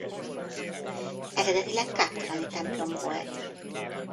Eredetileg káptalani templom volt.